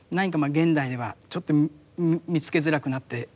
現代ではちょっと見つけづらくなっていると思いますし。